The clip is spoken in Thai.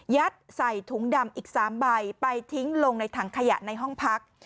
ใส่ถุงดำอีก๓ใบไปทิ้งลงในถังขยะในห้องพัก